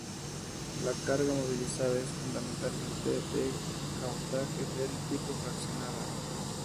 La carga movilizada es fundamentalmente de cabotaje, del tipo fraccionada.